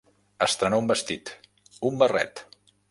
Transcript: Estrenar un vestit, un barret.